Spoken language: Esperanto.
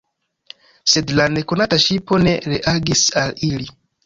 Sed la nekonata ŝipo ne reagis al ili.